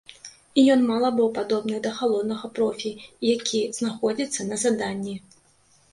І ён мала быў падобны да халоднага профі, які знаходзіцца на заданні.